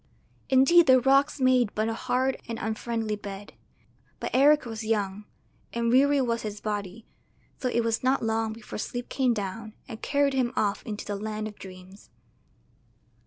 Indeed the rocks made but a hard and unfriendly bed, but Eric was young, and weary was his body, so it was not long before sleep came down and carried him off into the land of dreams.